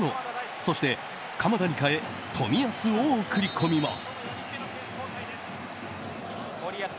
そして鎌田に代え冨安を送り込みます。